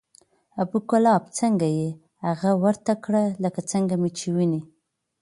ابو کلاب څنګه یې؟ هغه ورته کړه لکه څنګه مې چې وینې،